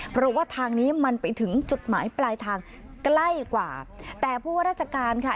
เพราะว่าทางนี้มันไปถึงจุดหมายปลายทางใกล้กว่าแต่ผู้ว่าราชการค่ะ